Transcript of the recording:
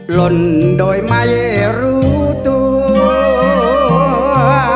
หล่นโดยไม่รู้ตัว